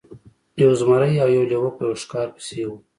یو زمری او یو لیوه په یوه ښکار پسې وو.